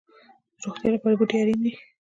د روغتیا لپاره بوټي اړین دي